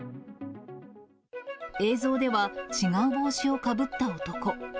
映像では、違う帽子をかぶった男。